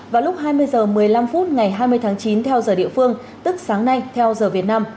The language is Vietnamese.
vào lúc hai mươi h một mươi năm phút ngày hai mươi tháng chín theo giờ địa phương tức sáng nay theo giờ việt nam